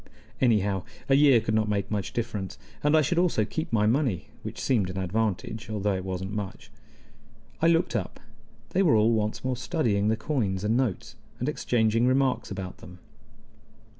Anyhow, a year could not make much difference, and I should also keep my money, which seemed an advantage, though it wasn't much. I looked up: they were all once more studying the coins and notes, and exchanging remarks about them.